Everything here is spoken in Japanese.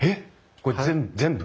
これぜ全部？